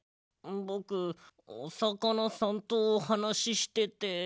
ぼくおさかなさんとおはなししてて。